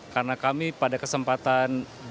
karena kami pada kesempatan